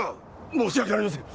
申し訳ありません。